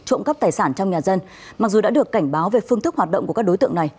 trộm cắp tài sản trong nhà dân mặc dù đã được cảnh báo về phương thức hoạt động của các đối tượng này